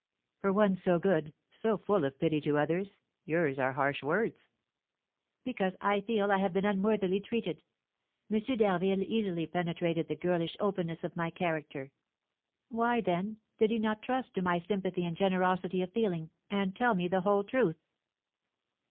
"For one so good, so full of pity to others, yours are harsh words." "Because I feel I have been unworthily treated. M. d'Harville easily penetrated the girlish openness of my character; why, then, did he not trust to my sympathy and generosity of feeling, and tell me the whole truth?"